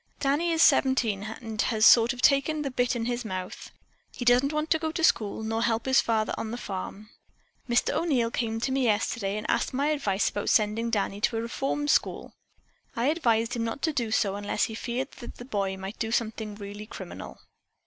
Danny is seventeen and has sort of taken the bit in his mouth. He doesn't want to go to school nor help his father on the farm. Mr. O'Neil came to me yesterday and asked my advice about sending Danny to a reform school. I advised him not to do so unless he feared the boy might do something really criminal.